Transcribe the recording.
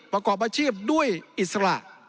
ประกอบอาชีพด้วยอิสระ